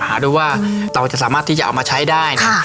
หาดูว่าเราจะสามารถที่จะเอามาใช้ได้เนี่ย